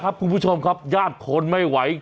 ขอบคุณครับขอบคุณครับ